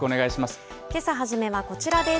けさ初めはこちらです。